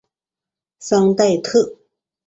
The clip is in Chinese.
桑代特。